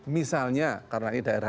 misalnya karena ini daerahnya